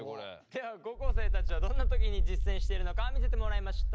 では高校生たちはどんな時に実践しているのか見せてもらいました。